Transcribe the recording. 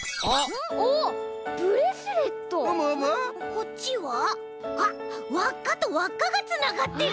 こっちはあっわっかとわっかがつながってる！